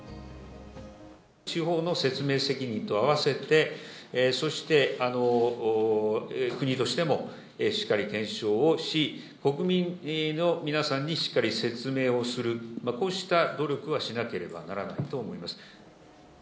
地方の説明責任と併せて、そして国としても、しっかり検証をし、国民の皆さんにしっかり説明をする、こうした努力はしなければならないと思います。